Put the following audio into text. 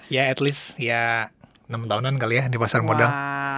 ya at least ya enam tahunan kali ya di pasar modal